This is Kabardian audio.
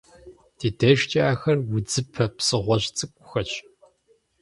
Ди дежкӏэ ахэр удзыпэ псыгъуэжь цӏыкӏухэщ.